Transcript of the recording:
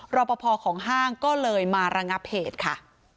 รอปภของห้างก็เลยมาระงับเหตุค่ะ